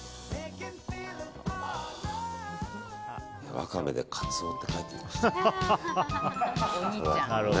ワカメで「カツオ」って書いてみましたけどね。